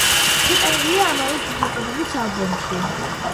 შეტანილია ამავე სახელწოდების ალბომში.